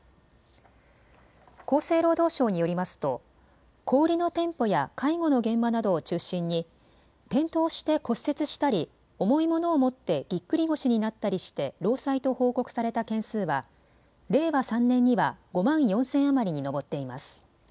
厚生労働省によりますと小売りの店舗や介護の現場などを中心に転倒して骨折したり重いものを持って、ぎっくり腰になったりして労災と報告された件数は令和３年には５万４０００余りに上っています。